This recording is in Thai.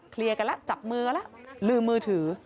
เคลียร์กันแล้วจับมือแล้วลืมมือถือ